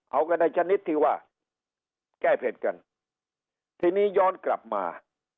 เอากันในชนิดที่ว่าแก้เผ็ดกันทีนี้ย้อนกลับมา